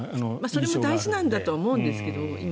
それも大事だとは思うんですけど。